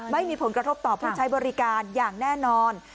ไม่มีผลกระทบต่อผู้ใช้บริการอย่างแน่นอน